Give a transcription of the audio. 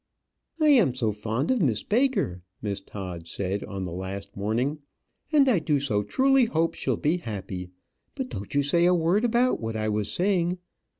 "I am so fond of Miss Baker," Miss Todd said, on the last morning; "and I do so truly hope she'll be happy; but don't you say a word about what I was saying.